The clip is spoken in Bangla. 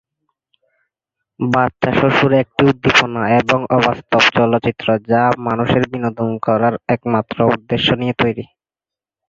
বাচ্চা শ্বশুর একটি উদ্দীপনা এবং অবাস্তব চলচ্চিত্র যা মানুষের বিনোদন করার একমাত্র উদ্দেশ্য নিয়ে তৈরি।